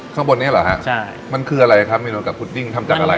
ข้างบนนี้หรอฮะมันคืออะไรครับมีเนโนกะพุดดิ้งทำจากอะไรครับ